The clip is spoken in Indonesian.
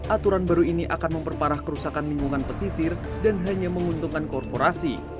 aturan baru ini akan memperparah kerusakan lingkungan pesisir dan hanya menguntungkan korporasi